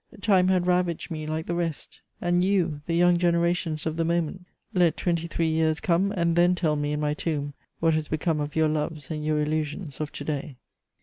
Time had ravaged me like the rest. And you, the young generations of the moment, let twenty three years come, and then tell me in my tomb what has become of your loves and your illusions of to day.